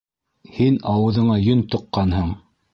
— Һин ауыҙыңа йөн тыҡҡанһың!